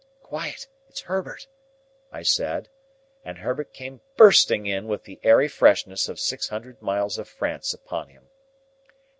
"Quiet! It's Herbert!" I said; and Herbert came bursting in, with the airy freshness of six hundred miles of France upon him.